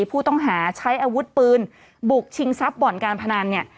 ผู้ต้องหาใช้อาวุธปืนบุกชิงทรัพย์บ่อนการพนันเนี่ย